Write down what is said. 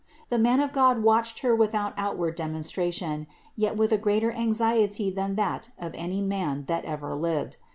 The man of God watched Her without out ward demonstration, yet with a greater anxiety than that of any man that ever lived.